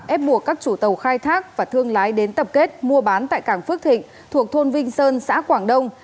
ép buộc các chủ tàu khai thác và thương lái đến tập kết mua bán tại cảng phước thịnh thuộc thôn vinh sơn xã quảng đông